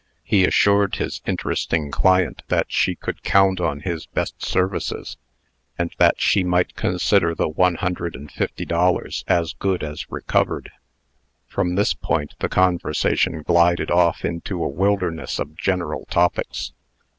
He assured his interesting client that she could count on his best services, and that she might consider the one hundred and fifty dollars as good as recovered. From this point the conversation glided off into a wilderness of general topics.